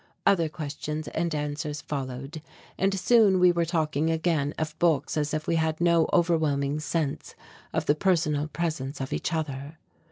Other questions and answers followed and soon we were talking again of books as if we had no overwhelming sense of the personal presence of each other.